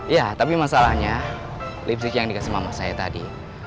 ya tapi masalahnya lipstick yang dikasih sama saya tadi